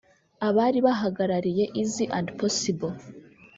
Abari bahagarariye Easy and Possible